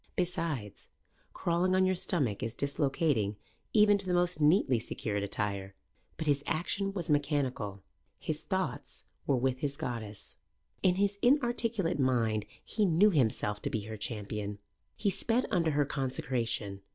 Besides, crawling on your stomach is dislocating even to the most neatly secured attire. But his action was mechanical. His thoughts were with his goddess. In his inarticulate mind he knew himself to be her champion. He sped under her consecration.